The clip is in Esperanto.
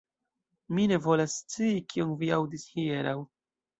Mi ne volas scii, kion vi aŭdis hieraŭ.